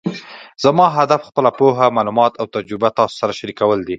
زما هدف خپله پوهه، معلومات او تجربه تاسو سره شریکول دي